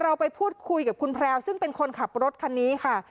เราไปพูดคุยกับคุณแพรวซึ่งเป็นคนขับรถคันนี้ค่ะ